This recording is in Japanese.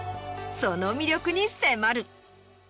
その魅力に迫る。